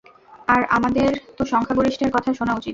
আর আমাদের তো সংখ্যাগরিষ্ঠের কথা শোনা উচিত।